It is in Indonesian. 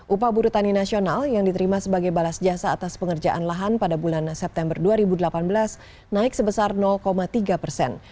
upah buruh tani nasional yang diterima sebagai balas jasa atas pengerjaan lahan pada bulan september dua ribu delapan belas naik sebesar tiga persen